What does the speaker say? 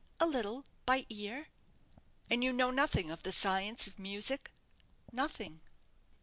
"A little; by ear." "And you know nothing of the science of music?" "Nothing."